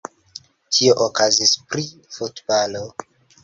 Tio okazis pri futbalo.